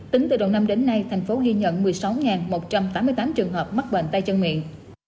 tính từ đầu năm đến nay thành phố ghi nhận một mươi sáu một trăm tám mươi tám trường hợp mắc bệnh tay chân miệng